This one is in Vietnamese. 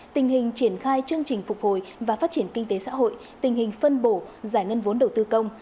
tình hình triển khai chương trình phục hồi và phát triển kinh tế xã hội tình hình phân bổ giải ngân vốn đầu tư công